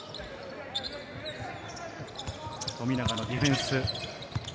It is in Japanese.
富永のディフェンス。